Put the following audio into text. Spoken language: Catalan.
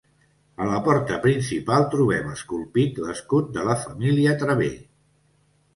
A la porta principal trobem esculpit l'escut de la família Traver.